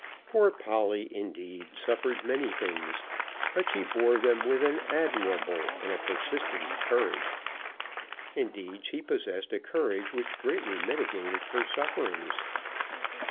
Poor Polly indeed suffered many things; but she bore them with an admirable and a persistent courage. Indeed, she possessed a courage which greatly mitigated her sufferings.